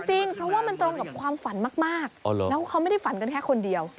จริงเพราะว่ามันตรงกับความฝันมากแล้วเขาไม่ได้ฝันกันแค่คนเดียว